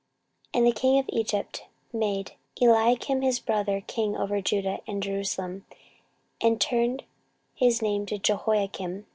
14:036:004 And the king of Egypt made Eliakim his brother king over Judah and Jerusalem, and turned his name to Jehoiakim.